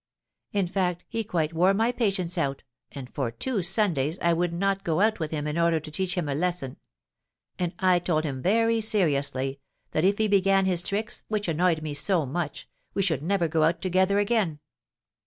In fact, he quite wore my patience out, and for two Sundays I would not go out with him in order to teach him a lesson; and I told him very seriously, that if he began his tricks, which annoyed me so much, we should never go out together again."